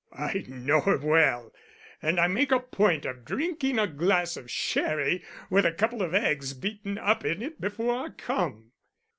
"I know her well, and I make a point of drinking a glass of sherry with a couple of eggs beaten up in it before I come."